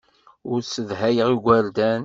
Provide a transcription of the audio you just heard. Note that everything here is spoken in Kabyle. Ur ssedhayeɣ igerdan.